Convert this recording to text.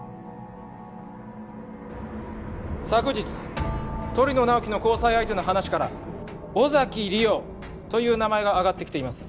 昨日鳥野直木の交際相手の話から尾崎莉桜という名前が挙がってきています